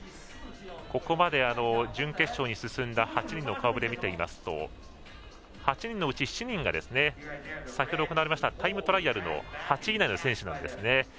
ここまで、準決勝に進んだ８人の顔ぶれを見ますと８人のうち７人が先ほど行われましたタイムトライアルの８位以内の選手なんですね。